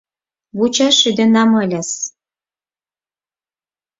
Вучаш шӱденам ыльыс...